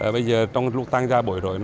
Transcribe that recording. bây giờ trong lúc tăng gia bổi